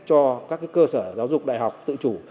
cho các cơ sở giáo dục đại học tự chủ